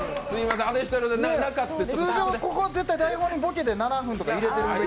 通常、ここ絶対に台本でボケで７分って入れてある。